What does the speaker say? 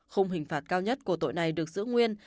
khung hình phạt cao nhất của tội này được giữ nguyên